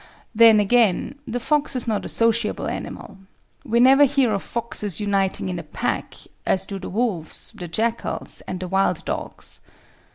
Then, again, the fox is not a sociable animal. We never hear of foxes uniting in a pack, as do the wolves, the jackals, and the wild dogs.